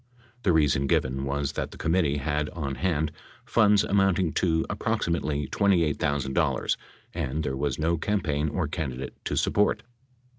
The reason given was that the committee had on hand funds amounting to approximately $28,000, and there was no campaign or candidate to support.